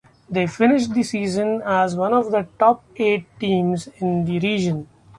They finished the season as one of the top eight teams in the region.